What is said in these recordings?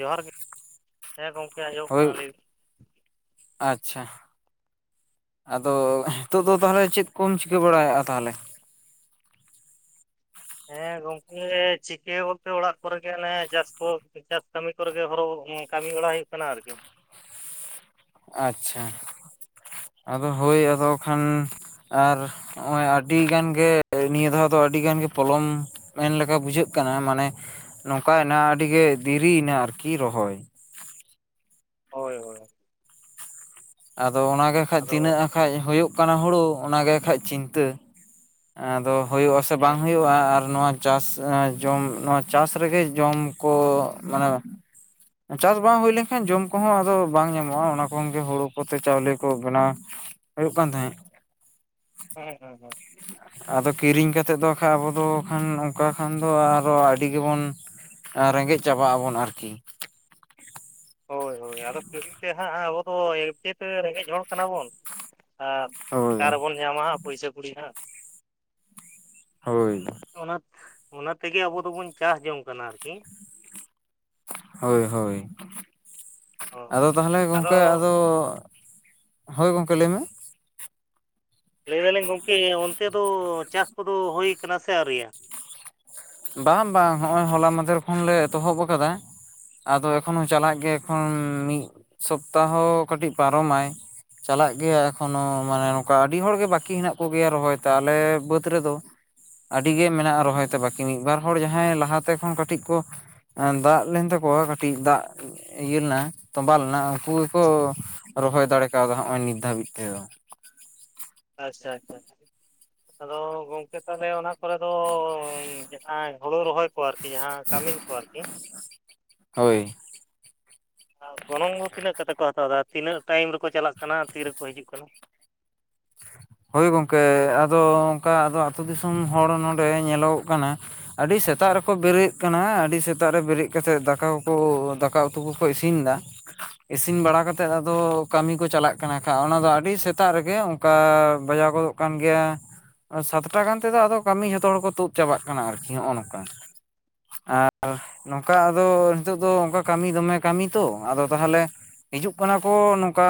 ᱡᱚᱦᱟᱨ ᱜᱮ ᱦᱮᱸ ᱜᱚᱝᱠᱮ ᱟᱸᱡᱚᱢᱚᱜ ᱠᱟᱱᱟ ᱦᱳᱭ ᱞᱟᱹᱭ ᱟᱪᱪᱷᱟ ᱟᱫᱚ ᱦᱤᱛᱚᱜ ᱫᱚ ᱛᱟᱦᱚᱞᱮ ᱪᱮᱫ ᱠᱚᱢ ᱪᱤᱠᱟᱹ ᱵᱟᱲᱟᱭᱮᱫᱼᱟ ᱛᱟᱦᱚᱞᱮ ᱦᱮᱸ ᱜᱚᱝᱠᱮ ᱪᱤᱠᱟᱹ ᱵᱚᱞᱛᱮ ᱚᱲᱟᱜ ᱠᱚᱨᱮ ᱜᱮ ᱚᱱᱮ ᱪᱟᱥ ᱠᱚ ᱪᱟᱥ ᱠᱟᱹᱢᱤ ᱠᱚᱨᱮ ᱜᱮ ᱦᱚᱨᱚᱜ ᱠᱟᱹᱢᱤ ᱵᱟᱲᱟ ᱦᱩᱭᱩᱜ ᱠᱟᱱᱟ ᱟᱨᱠᱤ ᱟᱪᱪᱷᱟ ᱟᱫᱚ ᱦᱳᱭ ᱟᱫᱚ ᱠᱷᱟᱱ ᱟᱨ ᱱᱚᱜᱼᱚᱭ ᱟᱹᱰᱤ ᱜᱟᱱ ᱜᱮ ᱱᱤᱭᱟᱹ ᱫᱷᱟᱣ ᱫᱚ ᱟᱹᱰᱤ ᱜᱟᱱ ᱜᱮ ᱯᱚᱞᱚᱢ ᱢᱮᱱ ᱞᱮᱠᱟ ᱵᱩᱡᱷᱟᱹᱜ ᱠᱟᱱᱟ ᱢᱟᱱᱮ ᱱᱚᱝᱠᱟᱭᱮᱱᱟ ᱟᱹᱰᱤ ᱜᱮ ᱫᱮᱨᱤᱭᱮᱱᱟ ᱟᱨᱠᱤ ᱨᱚᱦᱚᱭ ᱦᱳᱭ ᱦᱳᱭ ᱟᱫᱚ ᱚᱱᱟᱜᱮ ᱠᱷᱟᱡ ᱟᱫᱚ ᱛᱤᱱᱟᱹᱜ ᱠᱷᱟᱡ ᱦᱩᱭᱩᱜ ᱠᱟᱱᱟ ᱦᱩᱲᱩ ᱚᱱᱟᱜᱮ ᱠᱷᱟᱡ ᱪᱤᱱᱛᱟᱹ ᱟᱫᱚ ᱦᱩᱭᱩᱜ-ᱟ ᱥᱮ ᱦᱮᱸ ᱵᱟᱝ ᱦᱩᱭᱩᱜᱼᱟ ᱟᱨ ᱱᱚᱣᱟ ᱪᱟᱥ ᱡᱚᱢ ᱱᱚᱣᱟ ᱪᱟᱥ ᱨᱮᱜᱮ ᱡᱚᱢ ᱠᱚ ᱢᱟᱱᱮ ᱪᱟᱥ ᱵᱟᱝ ᱦᱩᱭ ᱞᱮᱱᱠᱷᱟᱱ ᱡᱚᱢ ᱠᱚᱦᱚᱸ ᱟᱫᱚ ᱵᱟᱝ ᱧᱟᱢᱚᱜᱼᱟ ᱚᱱᱟ ᱠᱷᱚᱱ ᱜᱮ ᱦᱩᱲᱩ ᱠᱚᱛᱮ ᱪᱟᱣᱞᱮ ᱠᱚ ᱵᱮᱱᱟᱣ ᱦᱩᱭᱩᱜ ᱠᱟᱱ ᱛᱟᱦᱮᱸᱫ ᱦᱳᱭ ᱦᱳᱭ ᱦᱳᱭ ᱟᱫᱚ ᱠᱤᱨᱤᱧ ᱠᱟᱛᱮᱫ ᱫᱚ ᱵᱟᱠᱷᱟᱡ ᱟᱵᱚ ᱫᱚ ᱚᱱᱠᱟ ᱠᱷᱟᱱ ᱫᱚ ᱟᱨᱚ ᱟᱹᱰᱤ ᱜᱮᱵᱚᱱ ᱨᱮᱸᱜᱮᱡ ᱪᱟᱵᱟᱜ ᱟᱵᱚᱱ ᱟᱨᱠᱤ ᱦᱳᱭ ᱦᱳᱭ ᱟᱫᱚ ᱯᱟᱹᱦᱤᱞ ᱛᱮ ᱦᱟᱸᱜ ᱟᱵᱚᱫᱚ ᱪᱮᱫ ᱨᱮᱸᱜᱮᱡ ᱦᱚᱲ ᱠᱟᱱᱟ ᱵᱚᱱ ᱟᱨ ᱦᱳᱭ ᱚᱠᱟ ᱨᱮ ᱵᱚᱱ ᱧᱟᱢᱟ ᱯᱚᱭᱥᱟ ᱠᱩᱲᱤ ᱦᱟᱸᱜ ᱦᱳᱭ ᱚᱱᱟ ᱚᱱᱟ ᱛᱮᱜᱮ ᱟᱵᱚ ᱫᱚᱵᱚᱱ ᱪᱟᱥ ᱡᱚᱝ ᱠᱟᱱᱟ ᱟᱨᱠᱤ ᱦᱳᱭ ᱦᱳᱭ ᱚ ᱟᱫᱚ ᱛᱟᱦᱚᱞᱮ ᱜᱚᱢᱠᱮ ᱟᱫᱚ ᱟᱫᱚ ᱦᱳᱭ ᱜᱚᱢᱠᱮ ᱞᱟᱹᱭ ᱢᱮ ᱞᱟᱹᱭ ᱮᱫᱟᱞᱤᱧ ᱜᱚᱢᱠᱮ ᱚᱱᱛᱮ ᱫᱚ ᱪᱟᱥ ᱠᱚᱫᱚ ᱦᱳᱭ ᱠᱟᱱᱟ ᱥᱮ ᱟᱣᱨᱤᱭᱟ ᱵᱟᱝ ᱵᱟᱝ ᱦᱚᱜᱼᱚᱭ ᱦᱚᱞᱟ ᱢᱟᱫᱷᱮᱨ ᱠᱷᱚᱱᱞᱮ ᱮᱛᱚᱦᱚᱵ ᱟᱠᱟᱫᱟ ᱟᱫᱚ ᱮᱠᱷᱚᱱ ᱦᱚᱸ ᱪᱟᱞᱟᱜ ᱜᱮ ᱮᱠᱷᱟᱱ ᱢᱤᱫ ᱥᱚᱯᱛᱟ ᱦᱚᱸ ᱠᱟᱹᱴᱤᱡ ᱯᱟᱨᱚᱢᱟᱭ ᱪᱟᱞᱟᱜ ᱜᱮᱭᱟ ᱮᱠᱷᱚᱱᱳ ᱢᱟᱱᱮ ᱱᱚᱝᱠᱟ ᱟᱹᱰᱤ ᱦᱚᱲᱜᱮ ᱵᱟᱹᱠᱤ ᱦᱮᱱᱟᱜ ᱠᱚᱜᱮᱭᱟ ᱨᱚᱦᱚᱭ ᱛᱮ ᱟᱞᱮ ᱵᱟᱹᱫᱽ ᱨᱮᱫᱚ ᱟᱹᱰᱤ ᱜᱮ ᱢᱮᱱᱟᱜᱼᱟ ᱨᱚᱦᱚᱭᱛᱮ ᱵᱟᱠᱤ ᱢᱤᱫ ᱵᱟᱨ ᱦᱚᱲ ᱡᱟᱦᱟᱸᱭ ᱞᱟᱦᱟᱛᱮ ᱠᱷᱚᱱ ᱠᱟᱹᱴᱤᱡ ᱠᱚ ᱫᱟᱜ ᱞᱮᱱ ᱛᱟᱠᱚᱣᱟ ᱠᱟᱹᱴᱤᱡ ᱫᱟᱜ ᱤᱭᱟᱹᱱᱟ ᱛᱚᱸᱵᱟ ᱞᱮᱱᱟ ᱩᱱᱠᱩ ᱜᱮᱠᱚ ᱨᱚᱦᱚᱭ ᱫᱟᱲᱮ ᱠᱟᱣᱫᱟ ᱱᱚᱜ-ᱚᱭ ᱱᱤᱛ ᱫᱷᱟᱹᱵᱤᱡ ᱛᱮᱫᱚ ᱟᱪᱪᱷᱟ ᱟᱪᱪᱷᱟ [unintelligible] ᱟᱫᱚ ᱜᱚᱢᱠᱮ ᱛᱟᱦᱚᱞᱮ ᱚᱱᱟ ᱠᱚᱨᱮ ᱫᱚ ᱡᱟᱦᱟᱸ ᱦᱳᱲᱳ ᱨᱚᱦᱚᱭ ᱠᱚ ᱟᱨᱠᱤ ᱡᱟᱦᱟᱸ ᱠᱟᱹᱢᱤᱱ ᱠᱚ ᱟᱨᱠᱤ ᱦᱳᱭ ᱜᱚᱱᱚᱝ ᱫᱚ ᱛᱤᱱᱟᱹᱜ ᱠᱟᱛᱮ ᱠᱚ ᱦᱟᱛᱟᱣ ᱫᱟ ᱛᱤᱱᱟᱹᱜ ᱴᱟᱭᱤᱢ ᱨᱮᱠᱚ ᱪᱟᱞᱟᱜ ᱠᱟᱱᱟ ᱛᱤ ᱨᱮᱠᱚ ᱦᱤᱡᱩᱜ ᱠᱟᱱᱟ᱾ ᱦᱳᱭ ᱜᱚᱢᱠᱮ ᱟᱫᱚ ᱚᱱᱠᱟ ᱟᱫᱚ ᱟᱹᱛᱩᱳ ᱫᱤᱥᱚᱢ ᱦᱚᱲ ᱱᱚᱰᱮ ᱧᱮᱞᱚᱜᱚᱜ ᱠᱟᱱᱟ ᱟᱹᱰᱤ ᱥᱮᱛᱟᱜ ᱨᱮᱠᱚ ᱵᱮᱨᱮᱫ ᱠᱟᱱᱟ ᱟᱹᱰᱤ ᱥᱮᱛᱟᱜ ᱨᱮᱠᱚ ᱵᱮᱨᱮᱫ ᱠᱟᱱᱟ᱾ ᱟᱹᱰᱤ ᱥᱮᱛᱟᱜ ᱨᱮ ᱵᱮᱨᱮᱫ ᱠᱟᱛᱮ ᱫᱟᱠᱟ ᱠᱚ ᱫᱟᱠᱟ ᱩᱛᱩ ᱠᱚᱠᱚ ᱤᱥᱤᱱ ᱫᱟ᱾ [unintelligible] ᱤᱥᱤᱱ ᱵᱟᱲᱟ ᱠᱟᱛᱮᱫ ᱟᱫᱚ ᱠᱟᱹᱢᱤ ᱠᱚ ᱪᱟᱞᱟᱜ ᱠᱟᱱᱟ ᱠᱷᱟᱱ, ᱚᱱᱟᱫᱚ ᱟᱹᱰᱤ ᱥᱮᱛᱟᱜ ᱨᱮᱜᱮ ᱚᱱᱠᱟ ᱵᱟᱡᱟᱣ ᱜᱚᱫᱚᱜ ᱠᱟᱱ ᱜᱮᱭᱟ ᱥᱟᱛᱴᱟ ᱜᱟᱱ ᱛᱮᱫᱚ ᱟᱫᱚ ᱠᱟᱹᱢᱤ ᱡᱷᱚᱛᱚ ᱦᱚᱲ ᱠᱚ ᱛᱳᱫ ᱪᱟᱵᱟᱜ ᱠᱟᱱᱟ, ᱟᱨᱠᱤ ᱱᱚᱜᱼᱚ ᱱᱚᱝᱠᱟ᱾ ᱟᱨ ᱱᱚᱝᱠᱟ ᱟᱫᱚ ᱱᱤᱛᱚᱜ ᱫᱚ ᱚᱱᱠᱟ ᱠᱟᱹᱢᱤ ᱫᱚᱢᱮ ᱠᱟᱹᱢᱤ ᱛᱚ ᱟᱫᱚ ᱛᱟᱦᱟᱞᱮ ᱦᱤᱡᱩᱜ ᱠᱟᱱᱟ ᱠᱚ ᱱᱚᱝᱠᱟ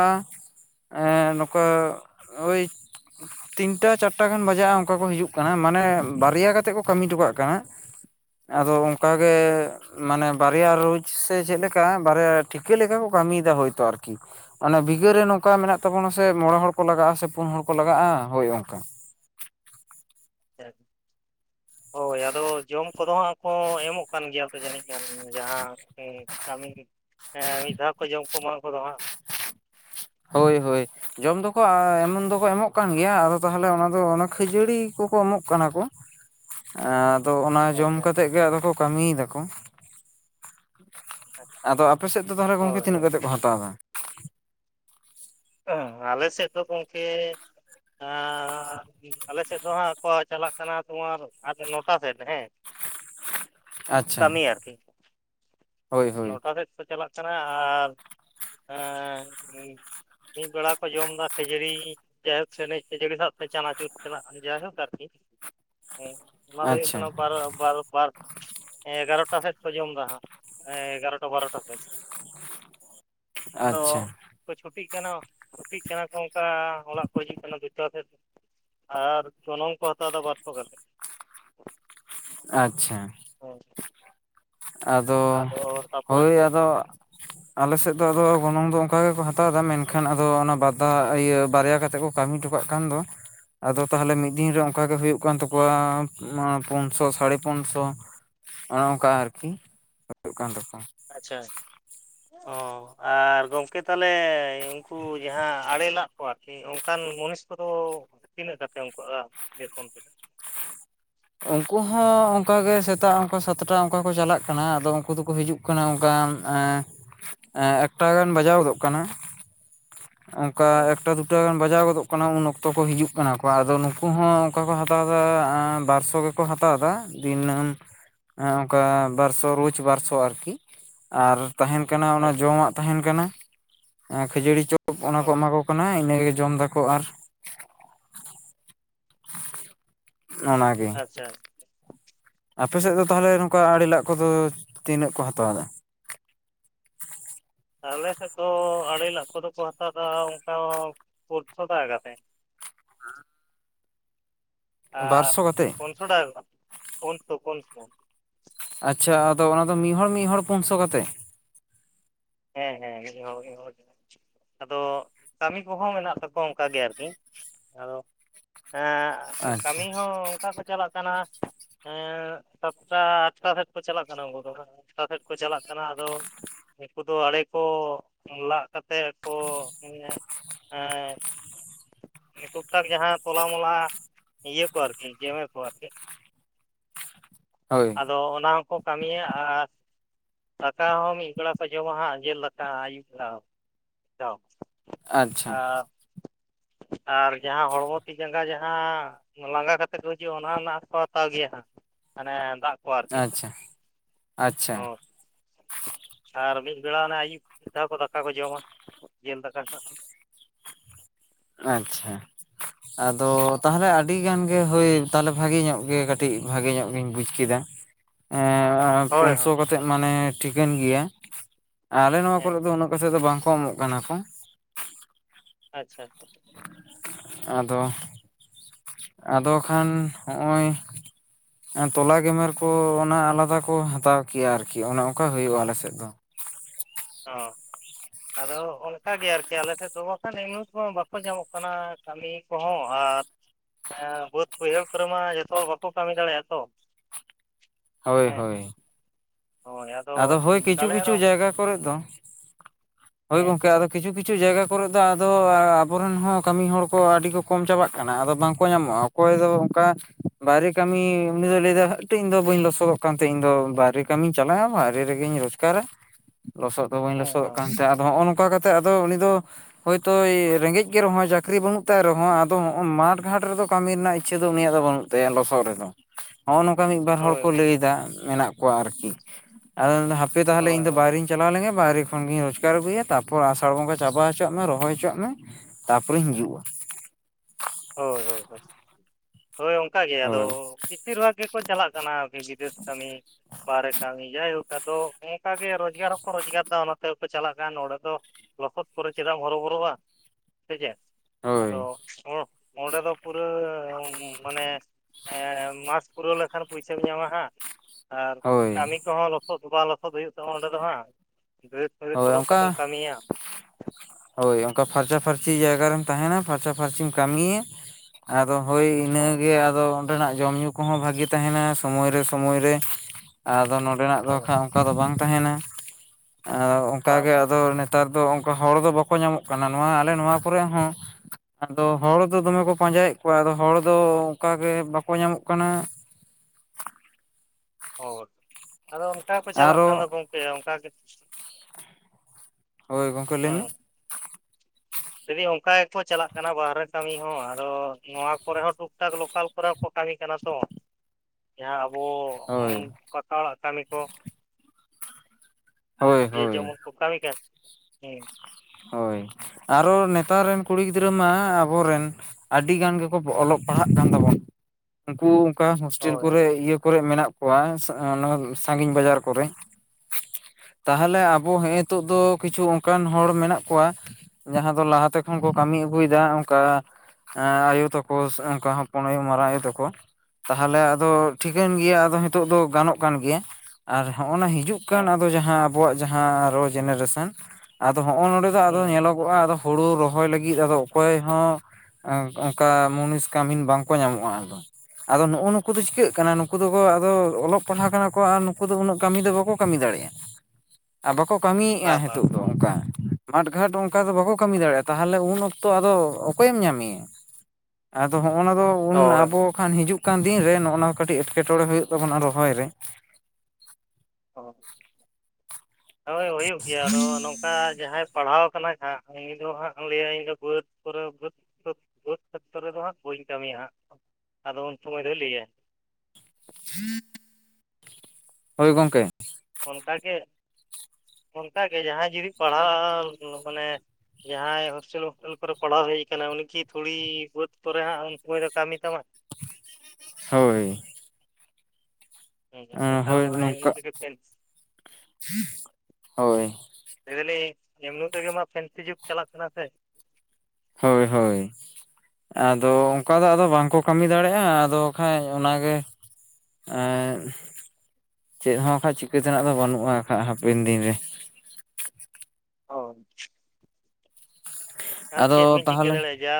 ᱱᱚᱝᱠᱟ ᱳᱭ ᱛᱤᱱᱴᱟ ᱪᱟᱨᱴᱟ ᱜᱟᱱ ᱵᱟᱡᱟᱜᱼᱟ, ᱚᱱᱠᱟ ᱠᱚ ᱦᱤᱡᱩᱜ ᱠᱟᱱᱟ᱾ ᱢᱟᱱᱮ ᱵᱟᱨᱭᱟ ᱠᱟᱛᱮ ᱠᱚ ᱠᱟᱹᱢᱤ ᱦᱚᱴᱚᱠᱟᱜ ᱠᱟᱱᱟ᱾ ᱟᱫᱚ ᱚᱱᱠᱟ ᱜᱮ ᱢᱟᱱᱮ ᱵᱟᱨᱭᱟ ᱨᱳᱡ ᱥᱮ ᱪᱮᱫ ᱞᱮᱠᱟ, ᱵᱟᱨᱭᱟ ᱴᱷᱤᱠᱟᱹ ᱞᱮᱠᱟ ᱠᱚ ᱠᱟᱹᱢᱤᱭᱮᱫᱟ ᱦᱳᱭᱛᱳ ᱟᱨᱠᱤ᱾ ᱢᱟᱱᱮ ᱵᱤᱜᱟᱹᱨ ᱨᱮ ᱱᱚᱝᱠᱟ ᱢᱮᱱᱟᱜ ᱛᱟᱵᱚᱱᱟ ᱥᱮ ᱢᱚᱬᱮ ᱦᱚᱲ ᱠᱚ ᱞᱟᱜᱟᱜᱼᱟ ᱥᱮ ᱯᱩᱱ ᱦᱚᱲ ᱠᱚ ᱞᱟᱜᱟᱜᱼᱟ, ᱦᱳᱭ ᱚᱱᱠᱟ᱾ ᱟᱪᱪᱷᱟ ᱦᱳᱭ ᱟᱫᱚ, ᱡᱚᱢ ᱠᱚᱫᱚ ᱦᱟᱸᱜ ᱠᱚ ᱮᱢᱚᱜ ᱠᱟᱱ ᱜᱮᱭᱟ ᱛᱚ ᱡᱟᱹᱱᱤᱡ ᱠᱷᱟᱱ? ᱡᱟᱦᱟᱸ ᱠᱟᱹᱢᱤ ᱢᱤᱫ ᱫᱷᱟᱣ ᱠᱚ ᱡᱚᱢ ᱠᱚ ᱮᱢᱟ ᱠᱚᱫᱚ ᱦᱟᱸᱜ᱾ ᱦᱳᱭ-ᱦᱳᱭ ᱡᱚᱢ ᱫᱚᱠᱚ ᱮᱢᱚᱱ ᱫᱚᱠᱚ ᱮᱢᱚᱜ ᱠᱟᱱ ᱜᱮᱭᱟ᱾ ᱟᱫᱚ ᱛᱟᱦᱟᱞᱮ ᱚᱱᱟ ᱫᱚ ᱚᱱᱟ ᱠᱷᱟᱹᱡᱟᱹᱲᱤ᱾ ᱠᱚ-ᱠᱚ ᱮᱢᱚᱜ ᱠᱟᱱᱟ ᱠᱚ ᱟᱫᱚ ᱚᱱᱟ ᱡᱚᱢ ᱦᱮᱸᱥᱮ ᱠᱟᱛᱮᱫ ᱜᱮ ᱟᱫᱚ ᱠᱚ ᱠᱟᱹᱢᱤᱭᱫᱟ ᱠᱚ, ᱟᱫᱚ ᱟᱯᱮ ᱥᱮᱫ ᱫᱚ ᱛᱟᱦᱚᱞᱮ ᱜᱚᱝᱠᱮ ᱦᱳᱭ ᱛᱤᱱᱟᱹᱜ ᱦᱳᱭ ᱠᱟᱛᱮ ᱠᱚ ᱦᱟᱛᱟᱣ ᱫᱟ? ᱟᱞᱮ ᱥᱮᱫ ᱫᱚ ᱜᱚᱢᱠᱮ ᱟᱸᱻ ᱟᱞᱮ ᱥᱮᱫ ᱫᱚ ᱦᱟᱸᱜ ᱠᱚ ᱪᱟᱞᱟᱜ ᱠᱟᱱᱟ, ᱛᱳᱢᱟᱨ ᱱᱚᱴᱟ ᱥᱮᱫ ᱦᱮᱸ [unintelligible] ᱟᱪᱪᱷᱟ ᱠᱟᱹᱢᱤ ᱟᱨᱠᱤ, ᱦᱳᱭ ᱦᱳᱭ ᱱᱚᱴᱟ ᱥᱮᱫ ᱠᱚ ᱪᱟᱞᱟᱜ ᱠᱟᱱᱟ ᱟᱨ ᱢᱤᱫ ᱵᱮᱲᱟ ᱠᱚ ᱡᱚᱢ ᱫᱟ ᱠᱷᱟᱹᱡᱟᱹᱲᱤ᱾ ᱡᱟᱭᱦᱳᱠ ᱥᱮ ᱮᱱᱮᱡ ᱛᱮ ᱠᱷᱟᱹᱡᱟᱹᱲᱤ ᱥᱟᱜ ᱛᱮ ᱪᱟᱱᱟᱪᱩᱨ ᱛᱮᱱᱟᱜ ᱡᱟᱭᱦᱳᱠ ᱟᱨᱠᱤ ᱦᱮᱸ ᱚᱱᱟ ᱫᱚ ᱦᱳᱭᱳᱜ ᱟᱪᱪᱷᱟ ᱠᱟᱱᱟ ᱟᱯᱟᱨ-ᱟᱯᱟᱨᱠ ᱮᱜᱟᱨᱚᱴᱟ ᱥᱡ ᱯᱮ ᱡᱚᱢ ᱫᱟ ᱡᱟᱸᱜᱟ, ᱮᱜᱟᱨᱚᱴᱟ ᱵᱟᱨᱚᱴᱟ ᱥᱮᱡ᱾ ᱟᱫᱚ ᱟᱪᱪᱷᱟ ᱯᱮᱪᱷᱚᱴ ᱪᱷᱩᱴᱤᱜ ᱠᱟᱱᱟ ᱪᱷᱩᱴᱤᱜ ᱠᱟᱱᱟ ᱠᱚ, ᱚᱱᱠᱟ ᱚᱲᱟᱜ ᱠᱚ ᱦᱤᱡᱩᱜ ᱠᱟᱱᱟ, ᱫᱩᱴᱟ ᱥᱮᱫ᱾ ᱟᱨ ᱜᱚᱱᱚᱝ ᱠᱚ ᱦᱟᱛᱟᱣᱫᱟ, ᱵᱟᱨᱥᱚ ᱠᱟᱛᱮᱫ᱾ ᱟᱪᱪᱷᱟ᱾ ᱦᱮᱸ ᱟᱫᱚ ᱦᱳᱭ ᱟᱫᱚ ᱟᱞᱮᱥᱮᱫ ᱫᱚ ᱟᱫᱚ ᱜᱚᱱᱚᱝ ᱫᱚ ᱚᱱᱠᱟ ᱜᱮᱠᱚ ᱦᱟᱛᱟᱣ ᱫᱟ᱾ ᱢᱮᱱᱠᱷᱟᱱ ᱟᱫᱚ ᱚᱱᱟ ᱵᱟᱨᱫᱷᱟᱣ ᱤᱭᱟᱹ ᱵᱟᱨᱭᱟ ᱠᱟᱛᱮᱫ ᱠᱚ ᱠᱟᱹᱢᱤ ᱴᱚᱠᱟᱜ ᱠᱟᱱ ᱫᱚ᱾ ᱟᱫᱚ ᱛᱟᱦᱟᱞᱮ ᱢᱤᱫ ᱫᱤᱱ ᱨᱮ ᱚᱱᱠᱟ ᱜᱮ ᱦᱳᱭᱳᱜ ᱠᱟᱱ ᱛᱟᱠᱚᱣᱟ᱾ ᱯᱳᱱ ᱥᱚ ᱥᱟᱲᱮ ᱯᱳᱱ ᱥᱚ᱾ ᱚᱱᱮ ᱚᱱᱠᱟ ᱟᱨᱠᱤ ᱦᱳᱭᱳᱜ ᱠᱟᱱ ᱛᱟᱠᱚᱣᱟ᱾ ᱟᱪᱪᱷᱟ᱾ ᱚ ᱟᱨ ᱜᱚᱢᱠᱮ ᱛᱟᱦᱟᱞᱮ ᱩᱱᱠᱩ ᱡᱟᱦᱟᱸ ᱟᱲᱮᱞᱟᱜ? ᱠᱚ ᱟᱨᱠᱤ, ᱚᱱᱠᱟᱱ ᱢᱩᱱᱤᱥ ᱠᱚᱫᱚ ᱛᱤᱱᱟᱹᱜ ᱠᱟᱛᱮ ᱚᱱᱠᱩᱟᱜ-ᱟ ᱵᱮᱛᱚᱱ ᱛᱮᱫᱚ? ᱩᱱᱠᱩ ᱦᱚᱸ ᱚᱱᱠᱟ ᱜᱮ ᱥᱮᱛᱟᱜ ᱚᱱᱠᱟ ᱥᱟᱛᱴᱟ ᱚᱱᱠᱟ ᱠᱚ ᱪᱟᱞᱟᱜ ᱠᱟᱱᱟ᱾ ᱟᱫᱚ ᱩᱱᱠᱩ ᱫᱚᱠᱚ ᱦᱤᱡᱩᱜ ᱠᱟᱱᱟ ᱦᱩᱭᱩᱜ ᱠᱟᱱᱟ ᱚᱱᱠᱟ ᱮᱠ ᱴᱟ ᱜᱟᱱ ᱵᱟᱡᱟᱣ ᱜᱚᱫᱚᱜ ᱠᱟᱱᱟ᱾ ᱚᱱᱠᱟ ᱦᱮᱸ ᱮᱠᱴᱟ ᱫᱩᱴᱟ᱾ ᱫᱩᱴᱟ ᱜᱟᱱ ᱵᱟᱡᱟᱣ ᱜᱚᱫᱚᱜ ᱠᱟᱱᱟ ᱩᱱ ᱚᱠᱛᱚ ᱠᱚ ᱦᱤᱡᱩᱜ ᱠᱟᱱᱟ ᱠᱚ ᱟᱫᱚ ᱱᱩᱠᱩ ᱦᱚᱸ, ᱚᱱᱠᱟ ᱠᱚ ᱦᱟᱛᱟᱣ ᱫᱟ ᱵᱟᱨ ᱥᱚ ᱜᱮ᱾ ᱠᱚ ᱦᱟᱛᱟᱣ ᱫᱟ ᱫᱤᱱᱟᱹᱢ᱾ ᱦᱮ ᱚᱱᱠᱟ ᱵᱟᱨ ᱥᱚ, ᱨᱳᱡ ᱵᱟᱨ ᱥᱚ ᱟᱨᱠᱤ, ᱟᱨ ᱛᱟᱦᱮᱱ ᱠᱟᱱᱟ ᱚᱱᱟ ᱟᱪᱪᱷᱟ ᱡᱚᱢᱟᱜ ᱛᱟᱦᱮᱱ ᱠᱟᱱᱟ, ᱠᱷᱟᱹᱡᱟᱹᱲᱤ ᱪᱚᱯ ᱚᱱᱟ ᱠᱚ ᱚ ᱮᱢᱟ ᱠᱚ ᱠᱟᱱᱟ ᱤᱱᱟᱹᱜᱮ ᱡᱚᱢ ᱫᱟᱠᱚ ᱟᱨ ᱱᱚᱜᱼᱱᱟ ᱜᱮ᱾ ᱟᱪᱪᱷᱟ᱾ ᱟᱯᱮ ᱥᱮᱫ ᱫᱚ ᱛᱟᱦᱚᱞᱮ ᱱᱚᱝᱠᱟ ᱟᱹᱲᱮ ᱞᱟᱜ ᱠᱚᱫᱚ, ᱛᱤᱱᱟᱹᱜ ᱠᱚ ᱦᱟᱛᱟᱣ ᱫᱟ? ᱟᱞᱮ ᱥᱮᱫ ᱫᱚ ᱟᱲᱮ ᱞᱟᱜ ᱠᱚᱫᱚ ᱦᱟᱛᱟᱣ ᱮᱫᱟ ᱚᱱᱠᱟ ᱯᱳᱱ ᱥᱚ ᱴᱟᱠᱟ ᱠᱟᱛᱮᱫ ᱟᱨ ᱵᱟᱨᱥᱚ ᱠᱟᱛᱮᱫ ᱯᱳᱱ ᱥᱚ ᱴᱟᱠᱟ ᱯᱳᱱ ᱥᱚ ᱯᱳᱱ ᱥᱚ ᱟᱪᱪᱷᱟ ᱟᱫᱚ ᱚᱱᱟᱫᱚ ᱢᱤᱫ ᱦᱚᱲ ᱢᱤᱫ ᱦᱚᱲ ᱯᱩᱱ ᱥᱚ ᱠᱟᱛᱮᱫ ᱦᱮᱸ ᱦᱮᱸ ᱢᱤᱫ ᱦᱚᱲᱜᱮ [unintelligible] ᱟᱫᱚ ᱠᱟᱹᱢᱤ ᱠᱚᱦᱚᱸ ᱢᱮᱱᱟᱜ ᱛᱟᱠᱚᱣᱟ ᱚᱱᱠᱟ ᱜᱮ ᱟᱨᱠᱤ ᱟᱫᱚ ᱻᱮᱸ ᱟᱪᱪᱷᱟ ᱠᱟᱹᱢᱤ ᱦᱚᱸ ᱚᱱᱠᱟ ᱠᱚ ᱪᱟᱞᱟᱜ ᱠᱟᱱᱟ ᱦᱮᱸ ᱥᱟᱛᱴᱟ ᱟᱴᱴᱟ ᱥᱮᱫ ᱠᱚ ᱪᱟᱞᱟᱜ ᱠᱟᱱᱟ ᱩᱱᱠᱩ ᱫᱚ ᱦᱟᱸᱜ ᱟᱴᱴᱟ ᱥᱮᱫ ᱠᱚ ᱪᱟᱞᱟᱜ ᱠᱟᱱᱟ ᱟᱫᱚ ᱩᱱᱠᱩ ᱫᱚ ᱟᱲᱮ ᱠᱚ ᱞᱟᱜ ᱠᱟᱛᱮ ᱠᱚ ᱢᱟᱱᱮ ᱮᱸᱻ ᱴᱩᱠᱴᱟᱠ ᱡᱟᱦᱟᱸ ᱛᱚᱞᱟ ᱢᱚᱞᱟ ᱤᱭᱟᱹ ᱠᱚ ᱟᱨᱠᱤ ᱜᱮᱢᱮᱨ ᱠᱚ ᱟᱨᱠᱤ ᱦᱳᱭ ᱟᱫᱚ ᱚᱱᱟ ᱦᱚᱸᱠᱚ ᱠᱟᱹᱢᱤᱭᱟ ᱟᱨ ᱫᱟᱠᱟ ᱦᱚᱸ ᱢᱤᱫ ᱵᱮᱲᱟ ᱠᱚ ᱡᱚᱢᱟ ᱦᱟᱸᱜ ᱡᱮᱞᱫᱟᱠᱟ ᱟᱹᱭᱩᱵ ᱵᱮᱲᱟ [unintelligible] ᱟᱪᱪᱷᱟ ᱟᱨ ᱟᱨ ᱡᱟᱦᱟᱸ ᱦᱚᱲᱢᱚ ᱛᱤ ᱡᱟᱸᱜᱟ ᱡᱟᱦᱟᱸ ᱞᱟᱸᱜᱟ ᱠᱟᱛᱮ ᱠᱚ ᱦᱤᱡᱩᱜ-ᱟ ᱚᱱᱟ ᱨᱮᱱᱟᱜ ᱠᱚ ᱦᱟᱛᱟᱣ ᱜᱮᱭᱟ ᱦᱟᱸᱜ ᱢᱟᱱᱮ ᱫᱟᱜ ᱠᱚ ᱟᱨᱠᱤ ᱟᱪᱪᱷᱟ ᱟᱪᱪᱷᱟ ᱦᱳᱭ ᱟᱨ ᱢᱤᱫ ᱵᱮᱲᱟ ᱚᱱᱮ ᱟᱹᱭᱩᱵ ᱢᱤᱫ ᱫᱷᱟᱣ ᱠᱚ ᱫᱟᱠᱟ ᱠᱚ ᱡᱚᱢᱟ ᱡᱤᱞ ᱫᱟᱠᱟ ᱥᱟᱜ ᱟᱪᱪᱷᱟ ᱟᱫᱚ ᱛᱟᱦᱚᱞᱮ ᱟᱹᱰᱤ ᱜᱟᱱ ᱜᱮ ᱦᱳᱭ ᱛᱟᱦᱚᱞᱮ ᱵᱷᱟᱹᱜᱤ ᱧᱚᱜ ᱜᱮ ᱠᱟᱹᱴᱤᱡ ᱵᱷᱟᱜᱮ ᱧᱚᱜ ᱜᱤᱧ ᱵᱩᱡᱽ ᱠᱮᱫᱟ ᱮ ᱦᱳᱭ ᱯᱳᱱᱥᱚ ᱦᱳᱭ ᱠᱟᱛᱮ ᱠᱟᱛᱮᱫ ᱢᱟᱱᱮ ᱴᱷᱤᱠᱟᱹᱱ ᱜᱮᱭᱟ ᱟᱞᱮ ᱱᱚᱣᱟ ᱦᱮᱸ ᱠᱚᱨᱮ ᱫᱚ ᱩᱱᱟᱹᱜ ᱠᱟᱛᱮ ᱫᱚ ᱵᱟᱝᱠᱚ ᱮᱢᱚᱜ ᱠᱟᱱᱟ ᱠᱚ ᱟᱪᱪᱷᱟ ᱟᱪᱪᱷᱟ ᱟᱫᱚ ᱟᱫᱚ ᱠᱷᱟᱱ ᱱᱚᱸᱜᱼᱚᱭ ᱛᱚᱞᱟ ᱜᱮᱢᱮᱨ ᱠᱚ ᱚᱱᱟ ᱟᱞᱟᱫᱟ ᱠᱚ ᱦᱟᱛᱟᱣ ᱠᱮᱭᱟ ᱟᱨᱠᱤ ᱚᱱᱮ ᱚᱱᱠᱟ ᱦᱩᱭᱩᱜᱼᱟ ᱟᱞᱮ ᱥᱮᱫ ᱫᱚ ᱚᱻ ᱟᱫᱚ ᱚᱱᱠᱟ ᱜᱮ ᱟᱨᱠᱤ ᱟᱞᱮ ᱥᱮᱫ ᱫᱚ ᱵᱟᱠᱷᱟᱱ [unintelligible] ᱵᱟᱠᱚ ᱧᱟᱢᱚᱜ ᱠᱟᱱᱟ ᱠᱟᱹᱢᱤ ᱠᱚᱦᱚᱸ ᱟᱨ ᱦᱮᱸ ᱵᱟᱹᱫᱽ ᱵᱟᱹᱭᱦᱟᱹᱲ ᱠᱚᱨᱮ ᱢᱟ ᱡᱚᱛᱚ ᱢᱟ ᱵᱟᱠᱚ ᱠᱟᱹᱢᱤ ᱫᱟᱲᱮᱭᱟᱜᱼᱟ ᱛᱚ ᱦᱳᱭ ᱦᱮᱸ ᱦᱳᱭ ᱦᱳᱭ ᱟᱫᱚ ᱦᱳᱭ ᱠᱤᱪᱷᱩ ᱫᱟᱲᱮᱭᱟᱜ ᱠᱤᱪᱷᱩ ᱨᱮᱦᱚᱸ ᱡᱟᱭᱜᱟ ᱠᱚᱨ ᱫᱚ ᱦᱳᱭ ᱦᱮᱸ ᱜᱚᱢᱠᱮ ᱟᱫᱚ ᱠᱤᱪᱷᱩ ᱠᱤᱪᱷᱩ ᱡᱟᱭᱜᱟ ᱠᱚᱨᱮ ᱫᱚ ᱟᱫᱚ ᱟᱵᱚᱨᱮᱱ ᱦᱚᱸ ᱠᱟᱹᱢᱤ ᱦᱚᱲ ᱠᱚ ᱟᱹᱰᱤ ᱠᱚ ᱠᱚᱢ ᱪᱟᱵᱟᱜ ᱠᱟᱱᱟ ᱟᱫᱚ ᱵᱟᱝᱠᱚ ᱧᱟᱢᱚᱜᱼᱟ ᱚᱠᱚᱭ ᱫᱚ ᱚᱱᱠᱟ ᱵᱟᱦᱨᱮ ᱠᱟᱹᱢᱤ ᱩᱱᱤ ᱫᱚᱭ ᱞᱟᱹᱭᱮᱫᱟ ᱦᱟᱴ ᱤᱧ ᱫᱚ ᱵᱟᱹᱧ ᱞᱚᱥᱚᱜᱚᱜ ᱠᱟᱱ ᱛᱤᱧ ᱫᱚ ᱵᱟᱦᱨᱮ ᱠᱟᱹᱢᱤᱧ ᱪᱟᱞᱟᱜᱼᱟ ᱵᱟᱦᱨᱮ ᱨᱮᱜᱮᱧ ᱨᱳᱡᱽᱜᱟᱨᱟ ᱞᱚᱥᱚᱫ ᱫᱚ ᱵᱟᱹᱧ ᱦᱮᱸ ᱞᱚᱥᱚᱫᱚᱜ ᱦᱮᱸ ᱠᱟᱱ ᱛᱟᱦᱮᱸᱫ ᱟᱫᱚ ᱱᱚᱜᱼᱚ ᱱᱚᱝᱠᱟ ᱠᱟᱛᱮᱜ ᱟᱫᱚ ᱩᱱᱤ ᱫᱚ ᱦᱳᱭᱛᱳ ᱨᱮᱸᱜᱮᱡ ᱜᱮ ᱨᱮᱦᱚᱸ ᱪᱟᱹᱠᱨᱤ ᱵᱟᱹᱱᱩᱜ ᱛᱟᱭ ᱨᱮᱦᱚᱸ ᱟᱫᱚ ᱚᱸᱜᱼᱚᱭ ᱢᱟᱴᱷ ᱜᱷᱟᱴ ᱨᱮᱫᱚ ᱠᱟᱹᱢᱤ ᱨᱮᱱᱟᱜ ᱤᱪᱪᱷᱟᱹ ᱫᱚ ᱩᱱᱤᱭᱟᱜ ᱫᱚ ᱵᱟᱹᱱᱩᱜ ᱛᱟᱭᱟ ᱞᱚᱥᱚᱫ ᱨᱮᱫᱚ ᱱᱚᱜᱼᱚ ᱱᱚᱝᱠᱟᱱᱤᱡ ᱵᱟᱨ ᱦᱚᱲ ᱠᱚ ᱦᱳᱭ ᱞᱟᱹᱭ ᱮᱫᱟ ᱢᱮᱱᱟᱜ ᱠᱚᱣᱟ ᱟᱨᱠᱤ ᱟᱫᱚ ᱦᱟᱯᱮ ᱛᱟᱦᱚᱞᱮ ᱦᱳᱭ ᱤᱧ ᱦᱳᱭ ᱫᱚ ᱵᱟᱦᱨᱤᱧ ᱪᱟᱞᱟᱣ ᱞᱮᱱ ᱜᱮ ᱵᱟᱦᱨᱮ ᱠᱷᱚᱱ ᱜᱤᱧ ᱨᱳᱡᱽᱜᱟᱨ ᱟᱹᱜᱩᱭᱟ ᱛᱟᱨᱯᱚᱨ ᱟᱥᱟᱲ ᱵᱚᱸᱜᱟ ᱪᱟᱵᱟ ᱦᱚᱪᱚᱣᱟᱜ ᱢᱮ ᱨᱚᱦᱚᱭ ᱦᱚᱪᱚᱣᱟᱜ ᱢᱮ ᱛᱟᱨᱯᱚᱨᱮᱧ ᱦᱤᱡᱩᱜᱼᱟ ᱦᱳᱭ ᱦᱳᱭ ᱦᱳᱭ ᱦᱳᱭ ᱚᱱᱠᱟᱜ ᱜᱮ ᱟᱫᱚ ᱦᱳᱭ ᱵᱤᱥᱤᱨ ᱵᱷᱟᱜᱽ ᱜᱮ ᱠᱚ ᱪᱟᱞᱟᱜ ᱠᱟᱱᱟ [unintelligible] ᱵᱤᱥᱮᱥ ᱠᱟᱹᱢᱤ ᱵᱟᱦᱨᱮ ᱠᱟᱹᱢᱤ ᱡᱟᱭᱦᱳᱠ ᱟᱫᱚ ᱚᱱᱠᱟ ᱜᱮ ᱨᱚᱡᱽᱜᱟᱨ ᱦᱚᱸᱠᱚ ᱨᱚᱡᱽᱜᱟᱨ ᱮᱫᱟ ᱚᱱᱟ ᱛᱮ ᱦᱚᱸ ᱠᱚ ᱪᱟᱞᱟᱜ ᱠᱟᱱᱟ ᱱᱚᱸᱰᱮ ᱫᱚ ᱞᱚᱥᱚᱫ ᱠᱚᱨᱮ ᱪᱮᱫᱟᱜ ᱮᱢ ᱦᱚᱨᱚᱵᱚᱨᱚᱜᱼᱟ ᱥᱮ ᱪᱮᱫ ᱦᱳᱭ ᱟᱫᱚ ᱱᱚᱰᱮ ᱫᱚ ᱯᱩᱨᱟᱹ ᱢᱟᱱᱮ ᱮᱻ ᱢᱟᱥ ᱯᱩᱨᱟᱹᱣ ᱞᱮᱠᱷᱟᱱ ᱯᱚᱭᱥᱟᱹᱢ ᱧᱟᱢᱟ ᱦᱟᱸᱜ ᱟᱨ ᱦᱳᱭ ᱠᱟᱹᱢᱤ ᱠᱚᱦᱚᱸ ᱞᱚᱥᱚᱫ ᱵᱟᱝ ᱞᱚᱥᱚᱫ ᱦᱩᱭᱩᱜ ᱛᱟᱢᱟ ᱚᱸᱰᱮ ᱫᱚ ᱦᱟᱸᱜ ᱦᱳᱭ ᱵᱟᱹᱛᱼᱼ [unintelligible] ᱚᱱᱠᱟ ᱠᱟᱛᱮᱢ ᱠᱟᱹᱢᱤᱭᱟ ᱦᱳᱭ ᱚᱱᱠᱟ ᱯᱷᱟᱨᱪᱟ ᱯᱷᱟᱹᱨᱪᱤ ᱡᱟᱭᱜᱟ ᱨᱮᱢ ᱛᱟᱦᱮᱱᱟ ᱯᱷᱟᱨᱪᱟ ᱯᱷᱟᱹᱨᱪᱤᱢ ᱠᱟᱹᱢᱤᱭᱟ ᱟᱫᱚ ᱦᱳᱭ ᱤᱱᱟᱹ ᱜᱮ ᱟᱫᱚ ᱚᱸᱰᱮᱱᱟᱜ ᱡᱚᱢ ᱧᱩ ᱠᱚᱦᱚᱸ ᱵᱷᱟᱹᱜᱤ ᱛᱟᱦᱮᱱᱟ ᱥᱚᱢᱚᱭ ᱨᱮ ᱥᱚᱢᱚᱭ ᱨᱮ ᱟᱫᱚ ᱱᱚᱸᱰᱮᱱᱟᱜ ᱫᱚ ᱦᱳᱭ ᱠᱷᱟᱱ ᱚᱱᱠᱟ ᱫᱚ ᱵᱟᱝ ᱛᱟᱦᱮᱱᱟ ᱚᱱᱠᱟ ᱵᱟᱝ ᱜᱮ ᱵᱟᱝ ᱟᱫᱚ ᱱᱮᱛᱟᱨ ᱫᱚ ᱚᱱᱠᱟ ᱦᱚᱲ ᱫᱚ ᱵᱟᱠᱚ ᱵᱟᱠᱚ ᱧᱟᱢᱚᱜ ᱠᱟᱱᱟ ᱱᱚᱣᱟ ᱟᱞᱮ ᱱᱚᱣᱟ ᱠᱚᱨᱮ ᱦᱚᱸ ᱟᱫᱚ ᱦᱚᱲ ᱫᱚ ᱫᱚᱢᱮ ᱠᱚ ᱯᱟᱸᱡᱟᱭᱮᱫ ᱠᱚᱣᱟ ᱟᱫᱚ ᱦᱚᱲ ᱫᱚ ᱚᱱᱠᱟ ᱜᱮ ᱵᱟᱠᱚ ᱧᱟᱢᱚᱜ ᱠᱟᱱᱟ ᱚ ᱟᱫᱚ ᱚᱱᱠᱟ ᱜᱮ ᱠᱚ ᱪᱟᱞᱟᱜ ᱠᱟᱱ ᱟᱨᱚ ᱫᱚ ᱜᱚᱢᱠᱮ ᱚᱱᱠᱟ ᱜᱮ ᱦᱳᱭ ᱜᱚᱝ ᱦᱮᱸ ᱞᱟᱹᱭ ᱫᱤᱧ ᱚᱱᱠᱟ ᱜᱮᱠᱚ ᱪᱟᱞᱟᱜ ᱠᱟᱱᱟ ᱵᱟᱨᱦᱨᱮ ᱠᱟᱹᱢᱤ ᱦᱚᱸ ᱟᱫᱚ ᱱᱚᱣᱟ ᱠᱚᱨᱮ ᱦᱚᱸ ᱴᱩᱠ ᱴᱟᱠ ᱞᱳᱠᱟᱞ ᱠᱚᱨᱮ ᱠᱚ ᱠᱟᱹᱢᱤ ᱠᱟᱱᱟ ᱛᱚ ᱡᱟᱦᱟᱸ ᱟᱵᱚ ᱦᱳᱭ ᱯᱟᱠᱟ ᱚᱲᱟᱜ ᱠᱟᱹᱢᱤ ᱠᱚ ᱦᱳᱭ ᱡᱮ ᱦᱳᱭ ᱡᱮᱢᱚᱱ ᱯᱚᱴᱟᱣᱮ ᱠᱟᱱ ᱦᱮᱸ ᱦᱳᱭ ᱟᱨᱚ ᱱᱮᱛᱟᱨ ᱨᱮᱱ ᱠᱩᱲᱤ ᱜᱤᱫᱽᱨᱟᱹ ᱢᱟ ᱟᱵᱚᱨᱮᱱ ᱟᱹᱰᱤ ᱜᱟᱱ ᱜᱮᱠᱚ ᱚᱞᱚᱜ ᱯᱟᱲᱦᱟᱜ ᱠᱟᱱ ᱛᱟᱵᱚᱱ ᱩᱱᱠᱩ ᱚᱱᱠᱟ ᱦᱳᱥᱴᱮᱞ ᱦᱳᱭ ᱠᱚᱨᱮ ᱤᱭᱟᱹ ᱠᱚᱨᱮ ᱢᱮᱱᱟᱜ ᱠᱚ ᱠᱚᱣᱟ ᱥᱟᱹᱜᱤᱧ ᱵᱟᱡᱟᱨ ᱠᱚᱨᱮ ᱛᱟᱦᱚᱞᱮ ᱦᱳᱭ ᱟᱵᱚ ᱦᱤᱛ ᱱᱤᱛᱚᱜ ᱫᱚ ᱠᱤᱪᱷᱩ ᱚᱱᱠᱟᱱ ᱦᱚᱲ ᱢᱮᱱᱟᱜ ᱠᱚᱣᱟ ᱡᱟᱦᱟᱸ ᱫᱚ ᱞᱟᱦᱟᱛᱮ ᱠᱷᱚᱱ ᱠᱚ ᱠᱟᱹᱢᱤ ᱟᱹᱜᱩᱭᱮᱫᱟ ᱚᱱᱠᱟ ᱟᱭᱳ ᱛᱟᱠᱚ ᱚᱱᱠᱟ ᱦᱚᱯᱚᱱ ᱟᱭᱳ ᱢᱟᱨᱟᱝ ᱟᱭᱳ ᱛᱟᱠᱚ ᱛᱟᱦᱚᱞᱮ ᱟᱫᱚ ᱴᱷᱤᱠᱟᱹᱱ ᱜᱮᱭᱟ ᱟᱫᱚ ᱱᱤᱛᱚᱜ ᱫᱚ ᱜᱟᱱᱚᱜ ᱠᱟᱱ ᱜᱮᱭᱟ ᱟᱨ ᱦᱚᱸᱜᱼᱚᱱᱟ ᱦᱤᱡᱩᱜ ᱠᱟᱱ ᱦᱮᱸ ᱟᱫᱚ ᱡᱟᱦᱟᱸ ᱟᱵᱚᱣᱟᱜ ᱡᱟᱦᱟᱸ ᱨᱚ ᱡᱮᱱᱟᱨᱮᱥᱚᱱ ᱟᱫᱚ ᱦᱚᱸᱜᱼᱚᱭ ᱱᱚᱰᱮ ᱟᱫᱚ ᱦᱮᱸ ᱧᱮᱞᱚᱜᱚᱜᱼᱟ ᱟᱫᱚ ᱦᱩᱲᱩ ᱨᱚᱦᱚᱭ ᱞᱟᱹᱜᱤᱫ ᱟᱫᱚ ᱚᱠᱚᱭ ᱦᱚᱸ ᱚᱱᱠᱟ ᱢᱩᱱᱤᱥ ᱠᱟᱹᱢᱤᱱ ᱵᱟᱝᱠᱚ ᱧᱟᱢᱚᱜᱼᱟ ᱟᱫᱚ ᱟᱫᱚ ᱱᱩᱜᱩ ᱱᱩᱠᱩ ᱫᱚ ᱪᱤᱠᱟᱹᱜ ᱠᱟᱱᱟ ᱱᱩᱠᱩ ᱫᱚ ᱟᱫᱚ ᱚᱞᱚᱜ ᱯᱟᱲᱦᱟᱜ ᱠᱟᱱᱟ ᱠᱚ ᱟᱨ ᱱᱩᱠᱩ ᱫᱚ ᱩᱱᱟᱹᱜ ᱠᱟᱹᱢᱤ ᱫᱚ ᱵᱟᱠᱚ ᱠᱟᱹᱢᱤ ᱫᱟᱲᱮᱭᱟᱜᱼᱟ ᱟᱨ ᱵᱟᱠᱚ ᱵᱟ ᱠᱟᱹᱢᱤᱭᱮᱫᱼᱟ ᱵᱟ ᱱᱤᱛᱳᱜ ᱫᱚ ᱚᱱᱠᱟ ᱢᱟᱴᱷ ᱜᱷᱟᱴ ᱚᱱᱠᱟ ᱫᱚ ᱵᱟᱠᱚ ᱠᱟᱹᱢᱤ ᱫᱟᱲᱮᱭᱟᱜᱼᱟ ᱛᱟᱦᱚᱞᱮ ᱩᱱ ᱚᱠᱛᱚ ᱟᱫᱚ ᱚᱠᱚᱭᱮᱢ ᱧᱟᱢᱮᱭᱟ ᱟᱫᱚ ᱦᱚᱜᱼᱱᱟ ᱫᱚ ᱩᱱ ᱦᱳᱭ ᱟᱵᱚ ᱠᱷᱟᱱ ᱦᱤᱡᱩᱜ ᱠᱟᱱ ᱫᱤᱱᱨᱮ ᱱᱚᱜᱼᱚ ᱱᱚᱣᱟ ᱠᱟᱹᱴᱤᱡ ᱮᱴᱠᱮᱴᱚᱲᱮ ᱦᱩᱭᱩᱜ ᱛᱟᱵᱚᱱᱟ ᱨᱚᱦᱚᱭ ᱨᱮ ᱚ ᱦᱳᱭ ᱦᱩᱭᱩᱜ ᱜᱮᱭᱟ ᱟᱫᱚ ᱱᱚᱝᱠᱟ ᱡᱟᱦᱟᱸᱭ ᱯᱟᱲᱦᱟᱣ ᱟᱠᱟᱱᱟᱭ ᱦᱟᱸᱜ ᱩᱱᱤ ᱫᱚ ᱦᱟᱸᱜ ᱞᱟᱹᱭᱟᱭ ᱤᱧᱫᱚ ᱵᱟᱹᱫᱽ ᱠᱚᱨᱮ ᱵᱟᱹᱫᱽ ᱵᱟᱹᱛ ᱵᱟᱹᱛ ᱠᱷᱮᱛ ᱠᱚᱨᱮᱫᱚ ᱦᱟᱸᱜ ᱵᱟᱹᱧ ᱠᱟᱹᱢᱤᱭᱟ ᱦᱟᱸᱜ ᱟᱫᱚ ᱩᱱ ᱥᱚᱢᱚᱭ ᱫᱚᱭ ᱞᱟᱹᱭᱟ [inaudible] ᱦᱳᱭ ᱜᱚᱝᱠᱮ ᱚᱱᱠᱟᱜᱮ ᱚᱱᱠᱟᱜᱮ ᱡᱟᱦᱟᱸᱭ ᱡᱩᱫᱤ ᱯᱟᱲᱦᱟᱜ ᱢᱟᱱᱮ ᱡᱟᱦᱟᱸᱭ ᱦᱳᱥᱴᱮᱞ ᱢᱳᱥᱴᱮᱞ ᱠᱚᱨᱮ ᱯᱟᱲᱦᱟᱣ ᱦᱮᱡ ᱟᱠᱟᱱᱟ ᱩᱱᱤ ᱠᱤ ᱛᱷᱚᱲᱤ ᱵᱟᱹᱫᱽ ᱠᱚᱨᱮ ᱦᱟᱜ ᱩᱱ ᱥᱚᱢᱚᱭ ᱫᱚ ᱠᱟᱹᱢᱤ ᱛᱟᱢᱟᱭ ᱦᱳᱭ ᱦᱮᱸ, ᱱᱮᱛᱟᱨ ᱦᱳᱭ ᱢᱟ ᱮᱢᱱᱤ ᱱᱚᱝᱠᱟ ᱛᱮᱜᱮ ᱯᱷᱮᱱ ᱦᱳᱭ ᱞᱟᱹᱭ ᱫᱟᱞᱤᱧ ᱮᱢᱱᱤ ᱛᱮᱜᱮ ᱢᱟ ᱯᱷᱮᱱᱥᱤ ᱡᱩᱜᱽ ᱪᱟᱞᱟᱜ ᱠᱟᱱᱟ ᱥᱮ ᱦᱳᱭ ᱦᱳᱭ ᱟᱫᱚ ᱚᱱᱠᱟ ᱫᱚ ᱟᱫᱚ ᱵᱟᱝᱠᱚ ᱠᱟᱹᱢᱤ ᱫᱟᱲᱮᱭᱟᱜᱼᱟ ᱟᱫᱚ ᱠᱷᱟᱡ ᱚᱱᱟ ᱜᱮ ᱮᱸ ᱪᱮᱫ ᱦᱚᱸ ᱦᱟᱠᱷᱟᱡ ᱪᱤᱠᱟᱹ ᱛᱮᱱᱟᱜ ᱫᱚ ᱵᱟᱹᱱᱩᱜᱼᱟ ᱦᱟᱠᱷᱟᱡ ᱦᱟᱯᱮᱱ ᱫᱤᱱ ᱨᱮ ᱦᱳᱭ ᱟᱨ ᱪᱮᱫ ᱟᱫᱚ ᱵᱤᱱ ᱪᱤᱠᱟᱹ ᱛᱟᱦᱚᱞᱮ ᱫᱟᱲᱟᱭᱟᱜᱼᱟ ᱡᱟ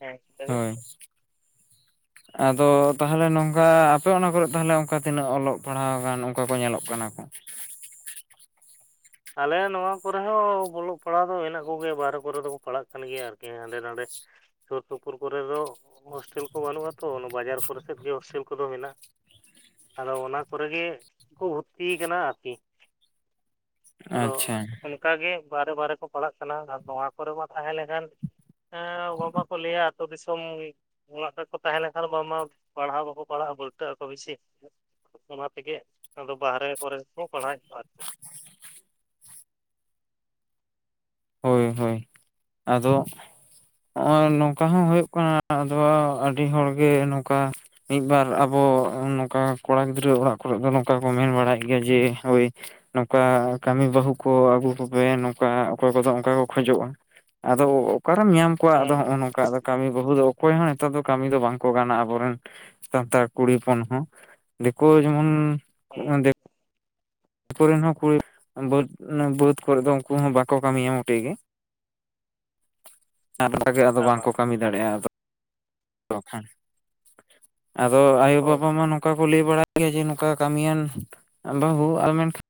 ᱦᱮᱸ ᱪᱤᱠᱟᱹᱵᱤᱱ᱾ ᱦᱳᱭ ᱟᱫᱚ ᱛᱟᱦᱚᱞᱮ ᱱᱚᱝᱠᱟ ᱟᱯᱮ ᱚᱱᱟ ᱠᱚᱨᱮ ᱛᱟᱦᱚᱞᱮ ᱚᱱᱠᱟ ᱛᱤᱱᱟᱹᱜ ᱚᱞᱚᱜ ᱯᱟᱲᱦᱟᱣ ᱜᱟᱱ ᱚᱱ- ᱠᱚ ᱠᱚ ᱧᱮᱞᱚᱜ ᱠᱟᱱᱟ ᱠᱚ ᱟᱞᱮ ᱱᱚᱣᱟ ᱠᱚᱨᱮ ᱦᱚᱸ ᱚᱞᱚᱜ ᱯᱟᱲᱦᱟᱜ ᱫᱚ ᱢᱮᱱᱟᱜ ᱠᱚᱜᱮᱭᱟ ᱵᱟᱦᱨᱮ ᱠᱚᱨᱮ ᱫᱚᱠᱚ ᱯᱟᱲᱦᱟᱜ ᱠᱟᱱ ᱜᱮᱭᱟ ᱟᱨᱠᱤ ᱦᱟᱸᱰᱮ ᱱᱟᱰᱮ ᱥᱩᱨ ᱥᱩᱯᱩᱨ ᱠᱚᱨᱮ ᱫᱚ ᱦᱳᱥᱴᱮᱞ ᱠᱚ ᱵᱟᱹᱱᱩᱜᱼᱟ ᱛᱚ ᱚᱱᱟ ᱵᱟᱡᱟᱨ ᱠᱚᱨᱮ ᱥᱮᱫ ᱜᱮ ᱦᱳᱥᱴᱮᱞ ᱠᱚᱫᱚ ᱢᱮᱱᱟᱜᱼᱟ ᱟᱫᱚ ᱚᱱᱟ ᱠᱚᱨᱮ ᱜᱮ ᱠᱚ ᱵᱷᱩᱨᱛᱤ ᱟᱠᱟᱱᱟ ᱟᱨᱠᱤ ᱟᱫᱚ ᱟᱪᱪᱷᱟ ᱚᱱᱠᱟᱜ ᱜᱮ ᱵᱟᱦᱨᱮ ᱵᱟᱦᱨᱮ ᱠᱚ ᱯᱟᱲᱦᱟᱜ ᱠᱟᱱᱟ ᱟᱨ ᱱᱚᱣᱟ ᱠᱚᱨᱮ ᱢᱟ ᱛᱟᱦᱮᱸ ᱞᱮᱱᱠᱷᱟᱱ ᱜᱚ ᱵᱟᱵᱟ ᱠᱚ ᱞᱟᱹᱭᱟ ᱟᱹᱛᱩ ᱫᱤᱥᱚᱢ ᱚᱲᱟᱜ ᱨᱮᱠᱚ ᱛᱟᱦᱮᱸ ᱞᱮᱱᱠᱷᱟᱱ ᱵᱟᱝ ᱢᱟ ᱯᱟᱲᱦᱟᱣ ᱵᱟᱠᱚ ᱯᱟᱲᱦᱟᱜᱼᱟ ᱵᱟᱹᱞᱴᱟᱹᱜ ᱟᱠᱚ ᱵᱮᱥᱤ ᱚᱱᱟ ᱛᱮᱜᱮ ᱟᱫᱚ ᱵᱟᱦᱨᱮ ᱠᱚᱨᱮ ᱜᱮᱠᱚ ᱯᱟᱲᱦᱟᱜ ᱮᱫ ᱠᱚᱣᱟ ᱟᱨᱠᱤ [inaudible] ᱦᱳᱭ ᱦᱳᱭ ᱟᱫᱚ ᱱᱚᱜᱼᱚᱭ ᱱᱚᱝᱠᱟ ᱦᱚᱸ ᱦᱩᱭᱩᱜ ᱠᱟᱱᱟ ᱟᱫᱚ ᱟᱹᱰᱤ ᱦᱚᱲᱜᱮ ᱱᱚᱝᱠᱟ ᱢᱤᱫᱵᱟᱨ ᱟᱵᱚ ᱱᱚᱝᱠᱟ ᱠᱚᱲᱟ ᱜᱤᱫᱽᱨᱟᱹ ᱚᱲᱟᱜ ᱠᱚᱨᱮ ᱫᱚ ᱱᱚᱝᱠᱟ ᱠᱚ ᱢᱮᱱ ᱵᱟᱲᱟᱭᱮᱫ ᱜᱮᱭᱟ ᱡᱮ ᱳᱭ ᱱᱚᱝᱠᱟ ᱠᱟᱹᱢᱤ ᱵᱟᱹᱦᱩ ᱠᱚ ᱟᱹᱜᱩ ᱠᱚᱯᱮ ᱱᱚᱝᱠᱟ ᱚᱠ- ᱚᱠᱚᱭ ᱠᱚᱫᱚ ᱚᱝᱠᱟ ᱠᱚ ᱠᱷᱚᱡᱚᱜᱼᱟ ᱟᱫᱚ ᱚᱠᱟᱨᱮᱢ ᱧᱟᱢ ᱠᱚᱣᱟ ᱟᱫᱚ ᱦᱚᱜᱼᱚ ᱦᱮᱸ ᱦᱮᱸ ᱱᱚᱝᱠᱟ ᱠᱟᱹᱢᱤ- ᱵᱟᱹᱦᱩ ᱫᱚ ᱚᱠᱚᱭ ᱦᱚᱸ ᱱᱮᱛᱟᱨ ᱫᱚ ᱠᱟᱹᱢᱤ ᱫᱚ ᱵᱟᱝᱠᱚ ᱜᱟᱱᱟ ᱟᱵᱚᱨᱮᱱ ᱥᱟᱱᱛᱟᱲ ᱠᱩᱲᱤ ᱦᱚᱯᱚᱱ ᱦᱚᱸ ᱫᱤᱠᱩ ᱡᱮᱢᱚᱱ ᱦᱮᱸ ᱫᱤᱠᱩᱨᱤᱱ ᱦᱚᱸ ᱠᱩᱲᱤ ᱵᱟᱹᱫ ᱵᱟᱹᱫᱽ ᱠᱚᱨᱮ ᱫᱚ ᱩᱱᱠᱩ ᱦᱚᱸ ᱵᱟᱠᱚ ᱠᱟᱹᱢᱤᱭᱟ ᱢᱚᱴᱮᱭ ᱜᱮ [unintelligible] ᱟᱫᱚ ᱟᱢᱟᱜ ᱵᱟᱝᱠᱚ ᱠᱟᱹᱢᱤ ᱫᱟᱲᱮᱟᱟ ᱟᱫᱚ [unintelligible] ᱟᱫᱚ ᱟᱭᱳ ᱦᱳᱭ ᱵᱟᱵᱟ ᱢᱟ ᱱᱚᱝᱠᱟ ᱠᱚ ᱞᱟᱹᱭ ᱵᱟᱲᱟ- ᱜᱮᱭᱟ ᱡᱮ ᱱᱚᱝᱠᱟ ᱠᱟᱹᱢᱤᱭᱟᱱ ᱵᱟᱹᱦᱩ ᱟᱨ ᱢᱮᱱᱠᱷᱟ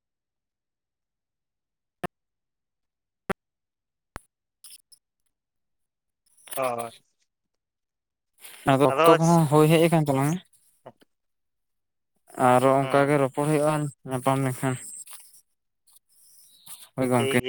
ᱦᱳᱭ ᱟᱫᱚ ᱚᱠᱛᱚ ᱠᱚᱦᱚᱸ ᱦᱳᱭ ᱦᱮᱡ ᱟᱠᱟᱱ ᱛᱟᱞᱟᱝᱟ [inaudible] ᱟᱨᱚ ᱦᱮᱸ ᱚᱝᱠᱟᱜᱮ ᱨᱚᱯᱚᱲ ᱦᱳᱭᱳᱜᱼᱟ ᱧᱟᱯᱟᱢ ᱞᱮᱠᱷᱟᱱ ᱦᱳᱭ ᱴᱷᱤᱠ ᱜᱚᱝᱠᱮ ᱜᱮᱭᱟ